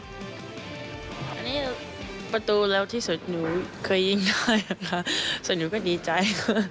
อันนี้ประตูเร็วที่สุดหนูเคยยิงได้นะคะส่วนหนูก็ดีใจ